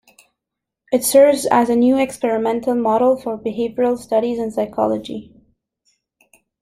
It serves as a new experimental model for behavioral studies in psychology.